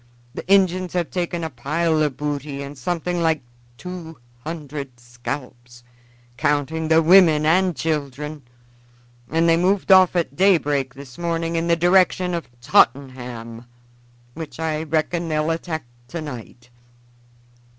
The Injuns have taken a pile of booty and something like two hundred scalps, counting the women and children, and they moved off at daybreak this morning in the direction of Tottenham, which I reckon they'll attack tonight.